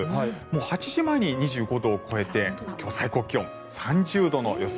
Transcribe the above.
８時前に２５度を超えて今日、最高気温３０度の予想。